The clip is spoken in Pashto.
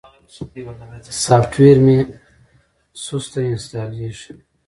سافټویر مې سسته انستالېږي.